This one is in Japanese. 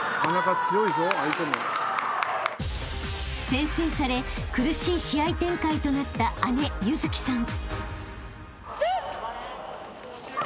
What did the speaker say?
［先制され苦しい試合展開となった姉優月さん］